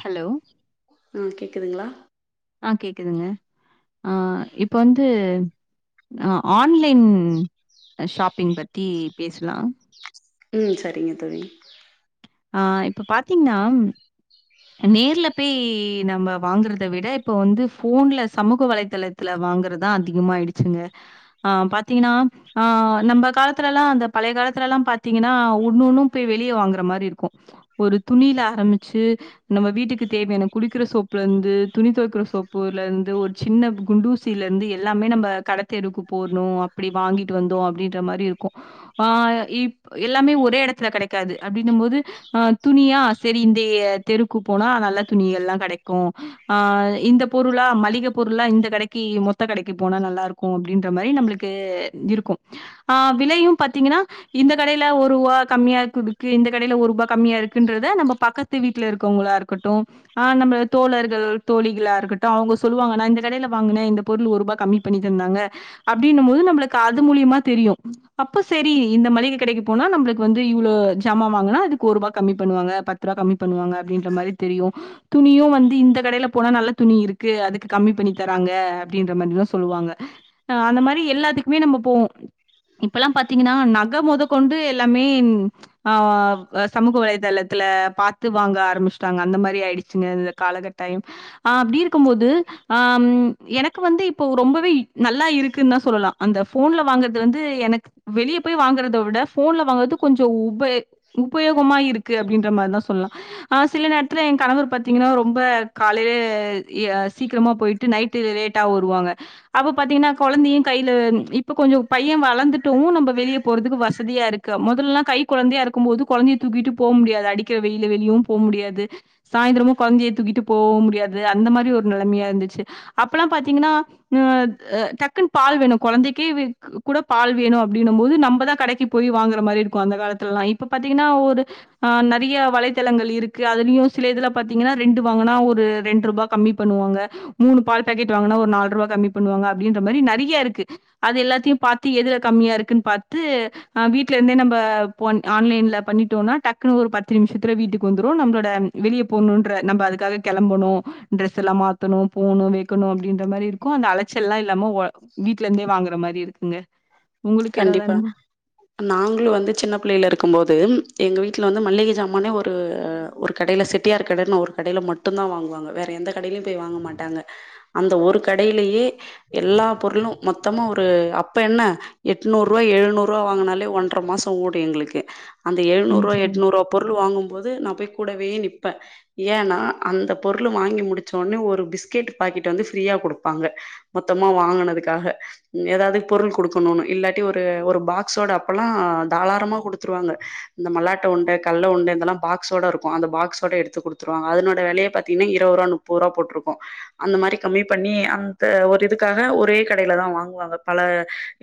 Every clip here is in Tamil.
ஹலோ அ கேட்குதுங்ளா ஆ கேக்குதுங்க ஆ இப்போ வந்து அ ஆன்லைன் ஷாப்பிங் பத்தி பேஸ்லா ம் சரிங்க தோழி ஆ இப்ப பாத்திங்னா நேர்ல பெய் நம்ம வாங்குறத விட இப்ப வந்து ஃபோன்ல சமூக வலைத்தலத் த்ல வாங்கறதா அதிகமாயிடுச்சுங்க ஆ பாத்திங்ன்னா ஆ நம்ப காலத்துல எல்லா அந்த பழைய காலத்துல எல்லா பாத்திங்கன்னா ஒன்னு ஒன்னு பொய் வெளிய வாங்குற மாரி இருக்கு க்கு ஒரு துணில ஆரமிச்சு நம்ம வீட்டுக்கு தேவையான குளிக்குற சோப்ல இர்ந்து துணி தொவைக்குற சோப்பு வல இராந்து ஒரு சின்ன குண்டூசில இர்ந்து எல்லாமே நம்ப கடத்தெருக்கு போர்ணு அப்டி வாங்கிட்டு வந்தோ அப்டின்ற மாரி இருக்கு ஆ இப் எல்லாமே ஒரே எடத்துல கெடைக்காது அப்டின்னம் போது ஆ துணியா செரி இந்த தெருக்கு போனா நல்ல துணிகல்லா கெடைக்கு ஆ இந்த பொருளா மளிக பொருளா இந்த கடக்கி மொத்த கடக்கி போனா நல்லா இருக்கு கும் அப்டின்ற மாரி நம்ளுக்கு இருக்கு ஆ விலையு பாத்திங்கன்னா இந்த கடைல ஒருவா கம்மியா குடுக்கு இந்த கடைல ஒரு வ கம்மியா இருக்குன்றத நம்ம பக்கத்து வீட்ல இருக்கவுங்ளா இருக்கட்டு ஆ நம்ம தோழர்கள் தோழிகளா இருக்கட்டு அவுங்க சொல்லுவாங்க நா இந்த கடையில வாங்குனே இந்த பொருள் ஒரு ரூபா கம்மி பண்ணி தந்தாங்க அப்படின்னு போது நம்மளுக்கு அது மூலியமா தெரியு அப்போ சரி இந்த மளிகை கடைக்கு போனா நம்மளுக்கு வந்து இவ்ளோ ஜாமான் வாங்கனா அது ஒரு ரூபா கம்மி பண்ணுவாங்க பத்து ரூபா கம்மி பண்ணுவாங்க அப்டின்ற மாதிரி தெரியு துணியு வந்து இந்த கடையில போனா நல்ல துணி இருக்கு அதுக்கு கம்மி பண்ணி தராங்க அப்டின்ற மாதிரிதா சொல்லுவாங்க அன்ன மாதிரி எல்லாத்துக்குமே நம்ம போவோம் இப்பல்லாம் பாத்தீங்கன்னா நக முத கொண்டு எல்லாமே ஆ வ சமூக வலைதளத்துல பாத்து வாங்க ஆரம்பிச்சுட்டாங்க அந்த மாதிரி ஆயிடுச்சுங்க இந்த காலகட்டாயம் ஆ அப்டி இருக்கும் போது ஆ ம் எனக்கு வந்து இப்போ ரொம்பவே நல்லா இருக்குன்னு தா சொல்லலா அந்த போன்ல வாங்கறது வந்து எனக்கு வெளியே போய் வாங்கறத விட போன்ல வாங்கறது கொஞ்சோ உபய் உபயோகமா இருக்கு அப்படின்ற மாதிரிதான் சொல்லலா ஆ சில நேரத்துல என் கணவர் பாத்தீங்கன்னா ரொம்ப காலைல யா சீக்கிரமா போயிட்டு நைட் ட்டு லேட்டா வருவாங்க அப்ப பாத்தீங்கன்னா கொழந்தையும் கைல இப்ப கொஞ்சம் பையே வளந்துட்டுவு நம்ம வெளிய போறதுக்கு வசதியா இருக்கு முதல்லாம் கை கொழந்தையா இருக்கும்போது குழந்தைய தூக்கிட்டு போக முடியாது அடிக்கிற வெயில்ல வெளியவு போ முடியாது சாய்ந்திரமு கொழந்தைய தூக்கிட்டு போவவும் முடியாது அந்த மாதிரி ஒரு நெலமையா இருந்துச்சு அப்பல்லாம் பாத்தீங்கன்னா ந த டக்குன்னு பால் வேணும் குழந்தைக்கே கூட பால் வேணு அப்படின்னும் போது நம்ம தா கடக்கீ போய் வாங்குற மாதிரி இருக்கும் அந்த காலத்துல எல்லாம் இப்ப பாத்தீங்கன்னா ஒரு ஆ‌ நிறைய வலைதளங்கள் இருக்கு அதுலயும் சில இதுல பாத்தீங்கன்னா ரெண்டு வாங்கனா ஒரு ரெண்டு ரூபா கம்மி பண்ணுவாங்க மூணு பால் பா‌க்கெட் வாங்குனா ஒரு நால் ருவா கம்மி பண்ணுவாங்க அப்படின்ற மாரி நெறிய்யாருக்கு அத எல்லாத்தையும் பாத்து எதுல கம்மியா இருக்குன்னு பாத்து ஆ வீட்ல இருந்தே நம்ம போண் ஆன்லைன்ல பண்ணிட்டோம்னா டக்குன்னு ஒரு பத்து நிமிஷத்துல வீட்டுக்கு வந்துரும் நம்மளோட வெளிய போகணுன்ற நம்ம அதுக்காக கெளம்பணு டிரெஸ் எல்லா மாத்தணும் போகணும் வெக்கணும் அப்டின்ற மாதிரி‌ருக்கும் அந்த அலச்சல் எல்லாம் இல்லாம வீட்ல ருந்தே வாங்கற மாரி இருக்குங்க உங்களுக்கு ஏதாவது கண்டிப்பா அனுபவம்? நாங்களும் வந்து சின்ன பிள்ளைல இருக்கும் போது எங்க வீட்ல வந்து மள்ளிக ஜாமானே ஒரு ஒர் கடைல செட்டியார் கடன்னு ஒரு கடைல மட்டும் தா வாங்குவாங்க வேற எந்த கடையிலயும் போய் வாங்க மாட்டாங்க அந்த ஒரு கடையிலேயே எல்லா பொருளும் மொத்தமா ஒரு அப்ப என்ன எட்நூறு ரூவா எழ்நூறுவா வாங்குனாலே ஒன்டர மாசோ ஓடும் எங்களுக்கு அந்த எழ்நூறு ம் ரூவா சரிங்க. எட்நூறுவா பொருள் வாங்கும்போது நான் போய் கூடவே நிப்பே ஏன்னா அந்த பொருளு வாங்கி முடிச்சவொன்னே ஒரு பிஸ்கெட்டு பாக்கெட் வந்து ஃப்ரீயா குடுப்பாங்க மொத்தமா வாங்குனதுக்காக எதாது பொருள் குடுக்கணுன்னு இல்லாட்டி ஒரு ஒரு பாக்ஸோட அப்பல்லா தாராளமா குடுத்துருவாங்க இந்த மல்லாட்ட உண்ட கல்ல உண்ட இதெல்லா பாக்ஸோட இருக்கு அந்த‌ பாக்ஸோட எடுத்து குடுத்துருவாங்க அதனோட வெலயே பாத்தீங்கன்னா இருவது ரூவா முப் பத் ரூவா போட்டுருக்கூ அந்த மாரி கம்மி பண்ணி அந்த ஒரு இதுக்காக ஒரே கடையில தான் வாங்குவாங்க பல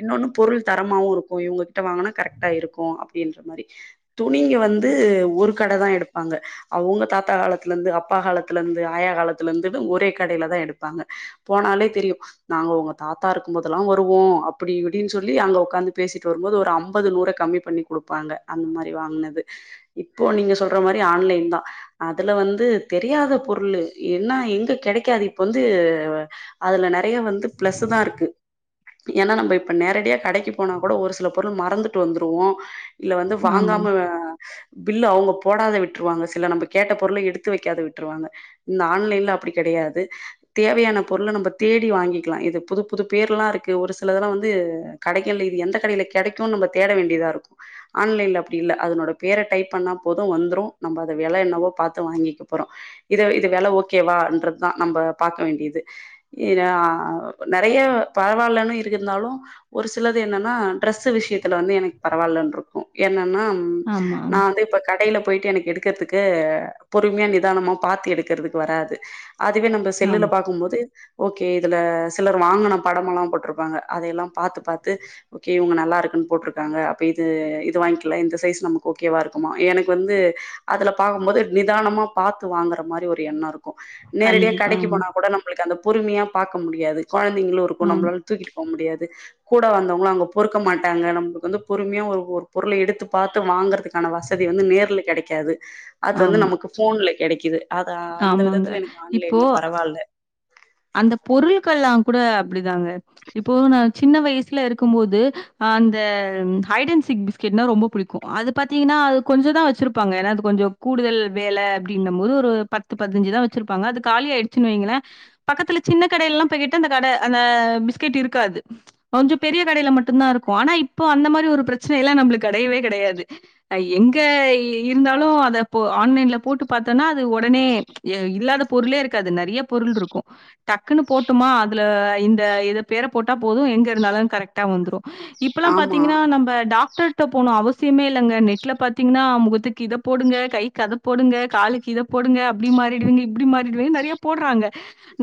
இன்னொன்னு பொருள் தரமாவு இருக்கூ இவுங்ககிட்ட வாங்கனா கரெக்ட்டா இருக்கூ அப்பிடின்ற மாரி துணிங்க வந்து ஒரு கட தா எடுப்பாங்க அவுங்க தாத்தா காலத்துல இருந்து அப்பா காலத்துல இருந்து ஆயா காலத்துல இருந்து ஒரே கடைல தா எடுப்பாங்க போனாலே தெரியு நாங்க உங்க தாத்தா இருக்கும்போதெல்லா வருவோ அப்டின்னு அப்டின்னு சொல்லி அங்க ஒக்காந்து பேசிட்டு வரும்போது ஒரு அம்பது நூற கம்மி பண்ணி குடுப்பாங்க அந்த மாரி வாங்குனது இப்போ நீங்க சொல்ற மாரி ஆன்லைன் தா அதுல வந்து தெரியாத பொருளு என்னா எங்க கெடைக்காது இப்ப வந்து அதுல நெறைய வந்து பிளஸ்ஸு தா இருக்கு ஏன்னா நம்ம இப் இப்ப நேரடியா கடைக்கு போனா கூட ஒரு சில பொருள் மறந்துட்டு வந்துருவோ இல்ல வந்து ஆமாங்க. வாங்காம வே பில்லு அவுங்க போடாத விட்ருவாங்க சில நம்ம கேட்ட பொருள எடுத்து வைக்காத விட்ருவாங்க இந்த ஆன்லைன்ல அப்டி கடையாது தேவையான பொருள நம்ம தேடி வாங்கிக்கலா இது புது புது பேர்லா இருக்கு ஒரு சிலதல்லா வந்து து கடைகள்ல இது எந்த கடைல கெடைக்குனு நம்ம தேட வேண்டியதா இருக்கு ஆன்லைன்ல அப்டி இல்ல அதனோட பேர டைப் பண்ணா போதும் வந்துரும் நம்ம அத வெல என்னவோ பாத்து வாங்கிக்க போறோ இத இது வெல ஓகேவான்றதுதா நம்ம பாக்க வேண்டிது இன்ன ஆ நறைய பரவாயில்லன்னு இருக்குந்தாலு ஒரு சிலது என்னன்னா ட்ரெஸ்ஸு விஷயத்துல வந்து எனக்கு பரவால்லன்ருக்கும் என்னன்னா ம் ஆமா, நா ஆமா, வந்து இப்ப கடைல போயிட்டு எனக்கு எடுக்கறதுக்கு பொறுமையா நிதானமா பாத்து எடுக்கறதுக்கு வராது அதுவே நம்ம செல்லுல ஆமா. பாக்கும் போது ஓகே இதுல சிலர் வாங்கின படமல்லா போட்ருப்பாங்க அதயல்லா பாத்து பாத்து ஓகே இவுங்க நல்லா இருக்குன்னு போட்ருக்காங்க அப்ப இது இது வாய்ங்க்கலா இந்த சைஸ் நமக்கு ஓகேவா இருக்குமா எனக்கு வந்து அதுல பாக்கும்போது நிதானமா பாத்து வாங்கற மாரி ஒரு எண்ணோ இருக்கும் நேரடியா கண்டிப்பா. கடைக்கு ஆமா, போனா கூட நம்மளுக்கு அந்த பொறுமையா பாக்க முடியாது கொழந்தைங்களு இருக்கு ஆமா, நம்மளால தூக்கிட்டு போ முடியாது கூட வந்தவங்கல்லா அவுங்க பொறுக்க மாட்டாங்க நம்மளுக்கு வந்து பொறுமையா ஒரு ஒரு பொருள எடுத்து பாத்து வாங்கறக்கு கான வசதி வந்து நேர்ல கெடைக்காது அது வந்து ஆமா, நமக்கு போன்ல கெடைக்கிது அது அந்த ஆமாங்க. விதத்துல எனக்கு இப்போ ஆன்லைன்ல பரவால்ல அந்த பொருள்கள்லா கூட அப்டிதாங்க இப்போ நா சின்ன வயசுல இருக்கும் போது அந்த ஹைடன் சீக் பிஸ் கெட்னா ரொம்ப புடிக்கு அது பாத்திங்கன்னா அது கொஞ்ச தா வச்சுருப்பாங்க ஏன்னா அது கொஞ்சோ கூடுதல் வேல அப்டின்னம்போது ஒரு பத்து பதினஞ்சுதா வச்சிருப்பாங்க அது காலியாயிடுச்சுனு வைங்களே பக்கத்துல சின்ன கடைல்லா போய் கேட்டா அந்த கட அந்த பிஸ்கட் இருக்காது கொஞ்சோ பெரிய கடைல மட்டும்தா இருக்கு ஆனா இப்போ அந்த மாரி ஒரு பிரச்சன எல்லா நம்மளுக்கு கெடையவே கெடையாது எங்க இருந்தாலு அத இப்போ ஆன்லைன்ல போட்டு பாத்தோனா அது ஒடனே எ இல்லாத பொருளே இருக்காது நறைய பொருள் இருக்கும் டக்குன்னு போட்டுமா அதுல இந்த எது பேர போட்டா போதும் எங்க இருந்தாலு கரெக்ட் டா வந்துரும் இப்பல்லா ஆமா பாத்தீங்கன்னா நம்ம டாக்டர் ட போனு அவசியமே இல்லங்க நெட்ல பாத்தீங்கன்னா முகத்துக்கு இத போடுங்க கைக்கு அத போடுங்க காலுக்கு இத போடுங்க அப்டி மாறிடுவங்க இப்டி மாறிடுவீங்க நறைய போட்றாங்க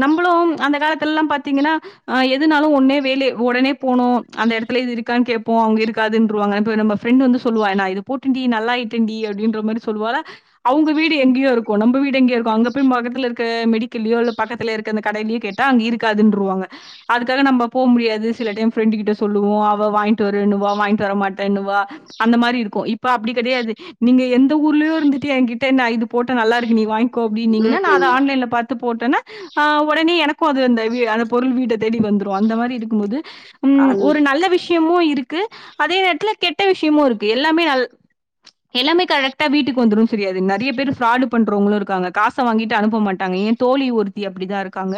நம்பமளும் அந்த காலத்துலலாம் பாத்திங்கன்னா ஆ எதுனாலும் ஒட்னே வேலே ஒடனே போனு அந்த இடத்துல இது இருக்கான்னு கேப்போம் அவங்க இருக்காதுன்னவாங்க நம்ம ஃரெண்ட் வந்து சொல்லுவா நா இத போட்டண்டி நல்லாாயிட்டேன்டி அப்டின்ற மாரி சொல்லுவாளா அவங்க வீடு எங்யோ இருக்கு நம்ம வீடு எங்யோ இருக்கு அங்க போய் பக்கத்துல இருக்க மெடிக்கலயோ இல்ல பக்கத்துல ந்த கடைலயும் கேட்டா அங்க இருக்காதுன்னருவாங்க அதுக்காக நம்ம போக முடியாது சில டைம் ஃப்ரெண்ட் கிட்ட சொல்லுவோம் அவ வாய்ங்ட்டு வரணவ வாய்ங்ட்டு வரமாட்டேன்னனுுவா அந்த மாரி இருக்கு இப்ப அப்டி கடையாது நீங்க எந்த ஊர்லயோ இருந்துட்டு என்கிட்ட நா இது போட்ட நல்லா இருக்கு நீ வாங்கி கோ அப்டின்னீங்கன்னா நா அத ம் ஆன்லைன்ல பாத்து போட்டனா அ உடனே எனக்கு அது அந்த அந்த பொருள் வீட்ட தேடி வந்துரும் அந்த மாரி இருக்கும்போது உம் அந் ஒரு நல்ல விஷயமும் இருக்கு அதே நேரத்துல கெட்ட விஷயமு இருக்கு எல்லாமே நல்ல எல்லாமே கரெக்ட வீட்டுக்கு வந்துரும் தெரியாது நறைய பேர் ஃப்ராாடு பண்றவங்களும் இருக்காங்க காச வாங்கிட்டு அனுப்ப மாட்டாங்க தோழி ஒருத் தி அப்படிதா இருக்காங்க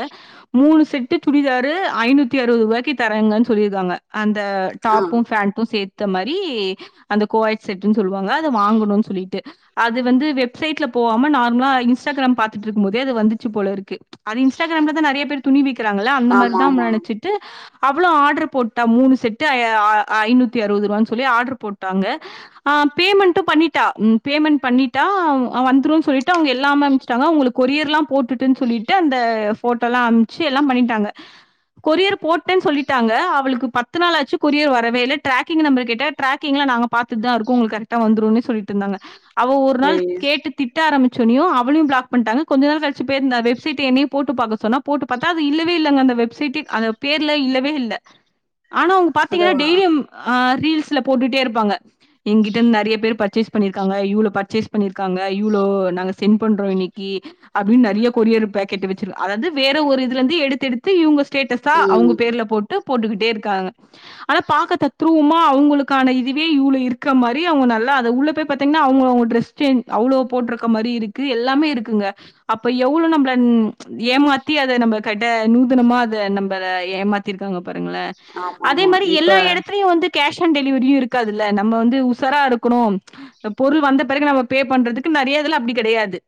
மூணு செட்டு சுடிதாறு ஐநூத்தி அறுபது ரூப்க்கி தராங்கன்னு சொல்லியிருக்காங்க அந்த ஆ டாப்பும் பேண்டும் சேர்த்த மாரி அந்த கோவ்வாய் செட்ன்னு சொல்லுவாங்க அத வாங்கணு சொல்லிட்டு அது வந்து வெப்சைட்ல போவாம நார்மலா இன்ஸ்டாகிராம் பாத்துட்டுருக்கும் போதே அது வந்துச்சு போலருக்கு அது இன்ஸ்டாகிராம்லதா நறைய பேர் துணிவிக்கிறாங்கள்ல அந்த ஆமா மாரிதா ஆமா நெனைச்சிட்டு அவ்வளு ஆர்டர் போட்டா மூணு செட்டு ஆ ஐநூத்தி அறுபது ரூவான்னு சொல்லி ஆர்டர் போட்டாங்க ஆ பேமெண்டு பண்ணிட்டா ம் பேமெண்ட் பண்ணிட்டா வந்துருன் சொல்லிட்டு அவங்க எல்லாமே சொல்லிட்டாங்க அவுங்களுக்கு கொரியர்ல்லா போட்டுட்டுன்னு சொல்லிட்டு அந்த ஃபோட்டோ எல்லா அமச்சு எல்லா பண்ணிட்டாங்க கொரியர் போட்டேன்னு சொல்லிட்டாங்க அவளுக்கு பத்து நாளாச்சு கொரியர் வரவே இல்ல டிராக்கிங் நம்ப கேட்டே ட்ராக்கிங்ல நாங்க பாத்துட்டுதாருக்கோ உங்களுக் கரெக்டா வந்துருன்னே சொல்லிட்டுருந்தாங்க அவ ஒரு நாள் ஐயயோ கேட்டு திட்ட ஆரம்பச்சோன்னையு அவளையு பிளாக் பண்ணிட்டாங்க கொஞ்ச நாள் கழிச்சி பே‌ பண்ண வெப் சைட்டே என்னையு போட்டு பாக்க சொன்னா போட்டு பாத்தா அது இல்லவே இல்லங்க அந்த வெப்சைட்டு அந்த பேர்ல இல்லவே இல்ல ஆனா அவங்க அதா பாத்தீங்கன்னா டெய்லியு ஆ ரீல்ஸ்ல போட்டுட்டே இருப்பாங்க எங்கிட்ட நறைய பேர் பர்ச்சேஸ் பண்ணியிருக்காங்க இவ்ளோ பர்ச்சேஸ் பண்ணியிருக்காங்க இவ்ளோ நாங்க சென்ட் பண்றோ இன்னைக்கி அப்டின்னு நறைய கொரியர் பேக்கெட் வச்சிரு அதாவது வேற ஒரு இதுலருந்து எடுத்து எடுத்து இவங்க ஸ்டேட்டஸா அவங்க ம் பேர்ல போட் ட்டு போட்டுக்கிட்டே இருக்காங்க ஆனா பார்க்க தத்துருவமா அவங்களுக்கான இதுவே இவ்ளோ இருக்கற மாரி அவங்க நல்லா அத உள்ள போய் பாத்தீங்கன்னா அவங்க அவங்க டிரஸ் ஸ்டேம் அவ்ளோ போட்ருக்க மாரி இருக்கு எல்லாமே இருக்குங்க அப்போ எவ்ளோ நம்மள ம் ஏமாத்தி அத நம்ம கட்ட நூதனமா அத நம்ம ஏமாத்திருக்காங்க பாருங்கள ஆமா அதே ஆமா மாதிரி இப்ப எல்லா எடத்துலையு வந்து கேஷ் ஆன் டெலிவரியு இருக்காதுல்ல நம்ம வந்து உசாரா இருக்கணு பொருள் வந்த பெறகு நம்ம பே பண்றதுக்கு நறைய இதுலா அப்படி கடையாது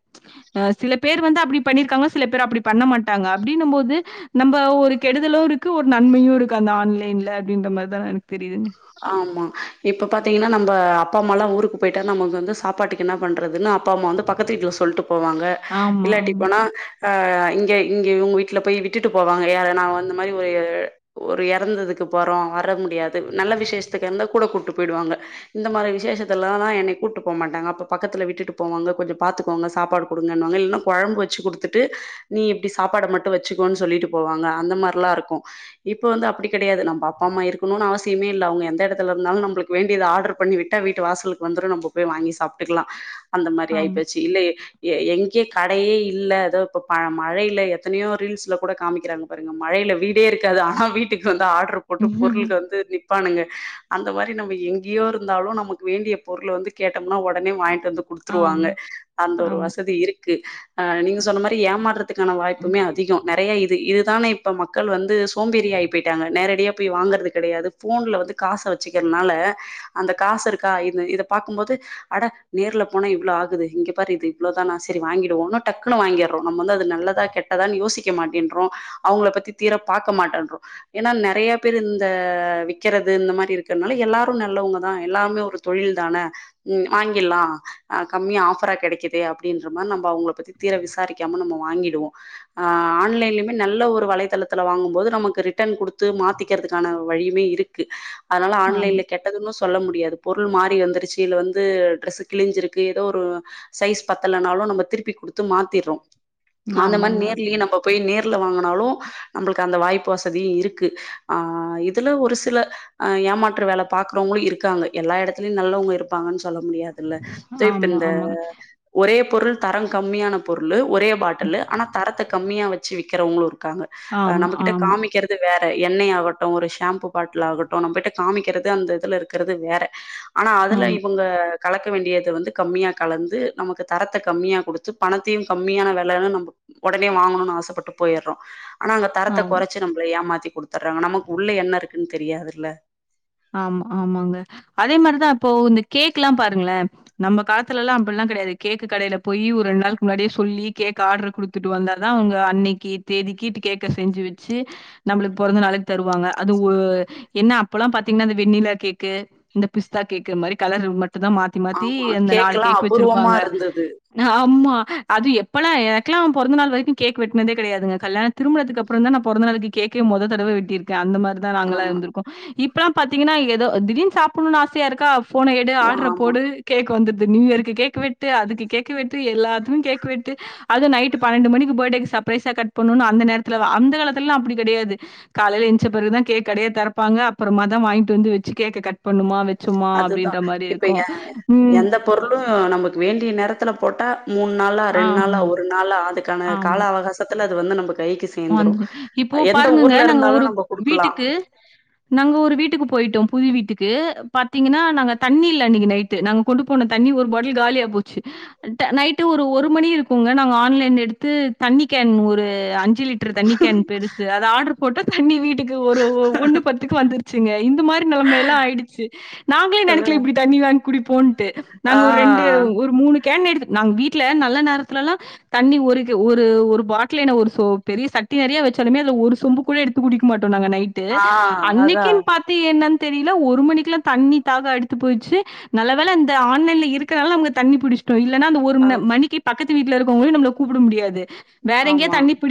அ சில பேர் வந்து அப்படி பண்ணியிருக்காங்க சில பேர் அப்படி பண்ண மாட்டாங்க அப்படின்னும் போது நம்ம ஒரு கெடுதலு இருக்கு ஒரு நன்மையு இருக்கு அந்த ஆன்லைன்ல அப்டின்ற மாரிதா எனக்கு தெரியுதுங்க ஆமா இப்ப பாத்தீங்கன்னா நம்ப அப்பா அம்மாலா ஊருக்கு போயிட்டா நமக்கு வந்து சாப்பாட்டுக்கு என்ன பண்றதுன்னு அப்ப அம்மா வந்து பக்கத்து வீட்ல சொல்லிட்டு போவாங்க ஆமா, ஆமா, இல்லாட்டிப்போனா ஆ இங்க இங்க உங்க வீட்ல போய் விட்டுட்டு போவாங்க யார நா வந்த மாதிரி ஒரு ஒரு எறந்ததுக்கு போறோ வர முடியாது நல்ல விசேஷத்துக்கு இருந்தா கூட கூட்டு போயிடுவாங்க இந்த மாதிரி விசேஷத்தல்லானா என்னை கூப்ட்டு போ மாட்டாங்க அப்ப பக்கத்துல விட்டுட்டு போவாங்க கொஞ்சோ பாத்துக்கோங்க சாப்பாடு குடுங்கநோன்ன இவுங்க கொழம்பு வச்சு குடுத்துட்டு நீ இப்படி சாப்பாட மட்டு வச்சுக்கோன்னு சொல்லிட்டு போவாங்க அந்த மாரில்லா இருக்கு இப்போ வந்து அப்படி கெடையாது நம்ப அப்பா அம்மா இருக்கணுன்னு அவஸ் சியமே இல்ல அவங்க எந்த எடத்துலருந்தாலு நம்மளுக்கு வேண்டியத ஆர்டர் பண்ணி விட்டா வீட்டு வாசலுக்கு வந்துரு நம்ம போய் வாங்கி சாப்ட்டுக்கலா அந்த மாரி ஆமா. ஆயிப்போச்சு இல்ல எ எ எங்யோ கடையே இல்ல ஏதோ இப்ப மழயில்ல எத்தனையோ ரீல்ஸ்ல கூட காமிக்கிறாங்க பாருங்க மழையில வீடே இருக்காது ஆனா வீட்டுக்கு வந்து ஆடர் போட்டு ஆமா, பொருளுக்கு வந்து ப்பானுங்க அந்த மாரி நம்ம எங்கேயோ இருந்தாலு நமக்கு வேண்டிய பொருள் வந்து கேட்டோம்னா ஒடனே வாங்ட்டு வந்து குடுத்துருவாங்க ஆமா, அந்த ஒரு ஆமா, வசதி இருக்கு அ நீங்க சொன்ன மாரி ஏமாருதுக்கான வாய்ப்புமே அத் திகோ நறைய இது இதுதானே இப்ப மக்கள் வந்து சோம்பேறி ஆயி போயிட்டாங்க நேரடியா போய் வாங்கறது கெடையாது ஃபோன்ல வந்து காச வச்சுக்கிறனால அந்த காசு இருக்கா இ இத பாக்கும்போது அட நேர்ல போனா இவ்ளோ ஆகுது இங்க பாரு இது இவ்ளோ தானா செரி வாங்கிடுவோன்னு டக்குனு வாங்கிர்றோ நம்ம வந்து அது நல்லதா கெட்டதான் யோசிக்க மாட்டேன்றோ அவங்கள பத்தி தீர பாக்க மாட்டன்றோம் ஏன்னா நறைய பேரு இந்த விக் கிறது இந்த மாரி இருக்கறதுனால எல்லாரு நல்லவங்க தா எல்லாமே ஒரு தொழில் தான ம் வாங்கில்லாம் அ கம்மியா ஆஃபரா கெடைக்குதே அப்டின்ற மாரி நம்ப அவங்கள பத்தி தீர விசாரிக்காம நம்ம வாங்கிடுவோம் ஆ ஆன்லைன்லுயுமே நல்ல ஒரு வலைதளத்துல வாங்கும் போது நமக்கு ரிட்டர்ன் குடுத்து மாத்திக்கிறதுக்கான வழியுமே இருக் கு அனால ஆன்லைன்ல கெ ட்டதுன்னு சொல்ல முடியாது பொருள் மாறி வந்துருச்சு இல்ல வந்து ட்ரெஸ்சு கிலிஞ்சிருக்கு ஏதோ ஒரு சைஸ் பத்தலனாலும் நம்ப திருப்பி குடுத்து மாத்திறோம் ஆமா அந்த மார் ஆமாங்க. நேர்லயு நம்ப போய் நேர்ல வாங்குனாலும் நம்பளுக்கு அந்த வாய்ப்பு வசதி இருக்கு ஆ இதுல ஒரு சில ஆ ஏமாற்ற வேல பாக்குறவங்களு இருக்காங்க எல்லா எடத்துலயும் நல்லவங்க இருப்பாங்கன் சொல்ல முடியாது ல்ல இதேப் ஆமா, இந்த ஆமாங்க. ஒரே பொருள் தரம் கம்மியான பொருளு ஒரே பாட்டில்லு ஆனா தரத்த கம்மியா வச்சு விக்கிறவங்ளும் இருக்காங்க அ ஆமா, நம்ப கிட்ட ஆமா, காமிக்கிறது வேற எண்ணெய் ஆகட்டும் ஒரு ஷாம்பு பா கெட்லாகட்டும் நம்பட்ட காமிக்கிறது அந்த இதுல இருக்கிறது வேற ஆனா அதுல ஆமா, இவங்க கலக்க வேண்டியத வந்து கம்மியா கலந்து நமக்கு தரத்த கம்மியா கொடுத்து பணத்தியும் கம்மியான வெலன்னு நம்ப ஒடனே வாங்கணுனு ஆசப்பட்டு போயிறோம் ஆனா அங்க தரத்த ஆமா. குறச்சு நம்பள ஏமாத்தி குடுத்துறாங் நமக்கு உள்ள என்ன இருக்குன்னு தெரியாதுல ஆம் ஆமாங்க அதே மாரி தா இப்போ இந்த கேக்குல்லாம் பாருங்ள நம்ப காத்துலல்லா அப்டில்லா கெடையாது கேக்கு கடைல போயி ஒரு ரெண் நாளுக்கு முன்னாடியே சொல்லி கேக் ஆடர் குடுத் த்துட்டு வந்தா தா அவுங்க அன்னிக்கு தேதிக்கிட்டு கேக்க செஞ்சு வச்சு நம்புளுக் பொறந்த நாளுக் தருவாங்க அது ஒ என்ன அப்பல்லா பாத் திங்னா இந்த வெண்ணிலா கேக்கு இந்த பி்ஸ்தா கேக்கு மரி கலரு மட்டும் தா மாத் த்தி மாத்தி ஆமா இந்த நாலு கேக்கெல்லா கேக்கு அபூர்வமா வச்சிருப்பாங்க இருந்தது ஆம்மா அது எப்பெல்லா எனக்குல்லா பொறந்த நாள் வரைக்கும் கேக் வெட்னதே கெடையாதுங்க கல்யாண திருமணத்துக்கு அப்புற தா நா பொறந்த நாளைக்கு கேக்கே மொத தடவ வெட்டிருக்க அந்த மார் லா ஆ நாங்களாம் இருந்துருக்கோம் இப்பல்லா பாத்தீங்கன்னா ஏதோ திடீர் சாப்புணு ஆசையா இருக்கா போன எடு ஆர்டர் ஆமா போடு கேக் வந்துடுது நியூ இயர்க்கு கேக்கு வெட்டு அதுக்கு கேக் க்கு வெட்டு எல்லாத்தும் கேக்கு வெட்டு அது நைட்டு பன்னெண்டு மணிக்கு பர்டேக்கு சப்ரைசா கட் பண்ணுனு அந்த நேர்த்துல அந்த காலத்துல்லா அப்டி கெடையாது காலைல ஏஞ்ச பிறகுதா கேக் கடையே தெரப்பாங்க அப்பறமா தா வாய்ன்ட்டு வந்து வச்சு கேக்க கட் பண்ணுமா வெ சும்மா அப்டின்ற மாரி இருக்கோ ம் பொருளும் நமக்கு வேண்டிய நேரத்துல போட்டா மூண்ணு நாளா ரெண் நாளா ஆமா, ஒரு நாளா அதுக்கான கால அவகாசத்துல அது வந்து நம்ப கைக்கு சேந்துரு வந்து இப்போ எந்த பாருங்கங்க ஊர்ல நாங்க இருந்தாலு ஒரு நம்ம குடுக்கலா வீட்டுக்கு நாங்க ஒரு வீட்டுக்கு போயிட்டோம் புது வீட்டுக்கு பாத்தீங்கன்னா நாங்க தண்ணி இல்ல அன்னிக்கு நைட் டு நாங்க கொண்டு போன தண்ணி ஒரு பாட்டில் காலியா போச்சு நைட்டு ஒரு ஒரு மணி இருக்குங்க நாங்க ஆன்லைன் எடுத்து தண்ணி கேன் ஒரு அஞ் ஞ்சி லிட்டர் தண்ணி கேன் பெருசு அத ஆடர் போட்ட தண்ணி வீட்டுக்கு ஒரு ஒண்ணு பத்துக்கு வந்துர் ச்சுங்க இந்த மாரி நெலைமைல்லா ஆயிடுச்சு நாங்ளே நெனைக்கல இப்டி தண்ணி வாய்ங் குடி போன்ட்டு ஆ நாங்க ஒரு ரெண்டு ஒரு மூணுக் கேன் எடுத் நாங் வீட்ல நல்ல நேரத்துலல்லா தண்ணி ஒரு ஒரு ஒரு பாட்லே என்ன ஒரு சொ பெரிய சட்டி நெறைய வச்சாலுமே அதுல ஒரு சொம்பு கூட எடுத்து குடிக்க மாட்டோம் நாங்க நைட்டு ஆ அதா அன்னிக்கின் பாத் து என்னன் தெரில ஒரு மணிக்குல்லா தண்ணி தாக எடுத்து போயிச்சு நல்ல வேல இந்த ஆன்லைன்ல இருக்கனால அவங்க தண்ணி புடிச் இல்லைன்னா அந்த ஒரு மணிக்கு பக்கத்து வீட்ல இருக்கவங்களையும் நம்மளை கூப்பிட முடியாது வேற எங்கேயோ ஆமா தண்ணி பிடி